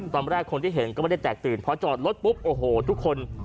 ตอนแรกคนที่เห็นก็ไม่ได้แตกตื่นพอจอดรถปุ๊บโอ้โหทุกคน